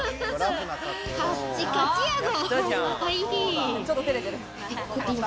カッチカチやぞ。